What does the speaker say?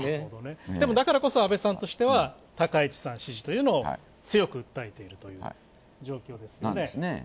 でも、だからこそ安倍さんとしては高市さん支持というのを強く訴えているという状況ですよね。